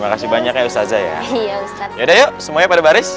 makasih banyak ustaz iya ustadz yaudah yuk semuanya pada baris